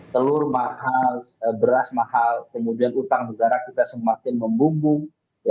telur beras mahal kemudian utang negara kita semakin membumbung